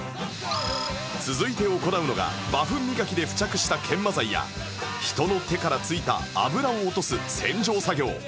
続いて行うのがバフ磨きで付着した研磨剤や人の手からついた脂を落とす洗浄作業